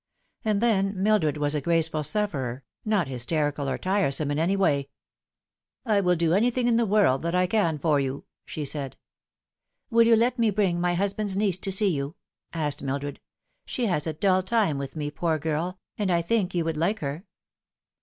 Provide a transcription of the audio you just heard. And then, Mildred was a graceful sufferer, not hysterical or tiresome in any way. " I will do anything in the world that I can for you," she said. "Will you let me bring my husband's niece to see you?" asked Mildred. " She has a dull time with me, poor girl, and I think you would like her."